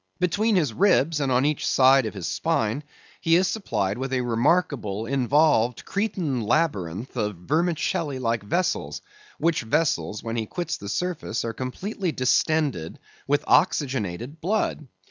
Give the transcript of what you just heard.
Between his ribs and on each side of his spine he is supplied with a remarkable involved Cretan labyrinth of vermicelli like vessels, which vessels, when he quits the surface, are completely distended with oxygenated blood.